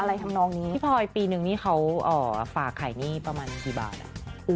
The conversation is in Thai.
ทำนองนี้พี่พลอยปีนึงนี่เขาฝากไข่หนี้ประมาณกี่บาทอ่ะ